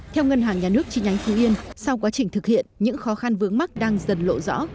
theo ngân hàng nhà nước chi nhánh phú yên sau quá trình thực hiện những khó khăn vướng mắt đang dần lộ rõ